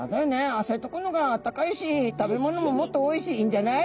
浅いとこのがあったかいし食べ物ももっとおいしいんじゃない？